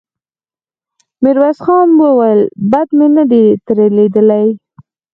ميرويس خان وويل: بد مې نه دې ترې ليدلي.